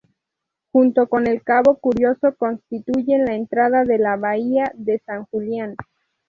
Junto con el cabo Curioso constituyen la entrada a la Bahía de San Julián.